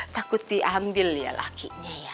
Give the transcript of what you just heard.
takut diambil ya laki